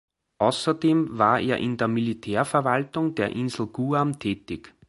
Außerdem war er in der Militärverwaltung der Insel Guam tätig.